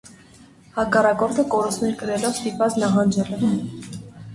Հակառակորդը կորուստներ կրելով ստիպված նահանջել է։